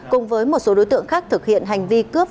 cùng với một số đối tượng khác thực hiện hành vi cướp